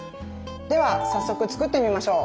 では早速作ってみましょう！